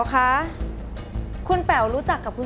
สามารถรับชมได้ทุกวัย